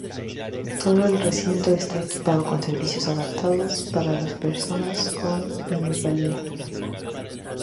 Todo el recinto está equipado con servicios adaptados para las personas con minusvalía.